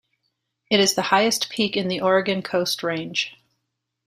It is the highest peak in the Oregon Coast Range.